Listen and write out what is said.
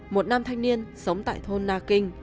một nam thanh niên sống tại thôn na kinh